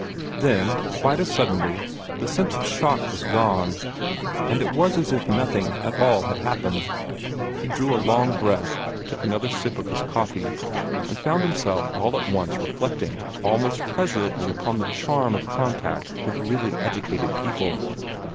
Then, quite as suddenly, the sense of shock was gone; and it was as if nothing at all had happened. He drew a long breath, took another sip of his coffee, and found himself all at once reflecting almost pleasurably upon the charm of contact with really educated people.